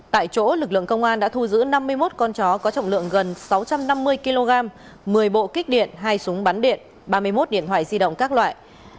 tại chỗ lực lượng công an đã thu giữ năm mươi một con chó có trọng lượng gần sáu trăm năm mươi kg một mươi bộ kích điện hai súng bắn điện ba mươi một điện thoại di động các loại